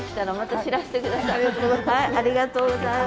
ありがとうございます。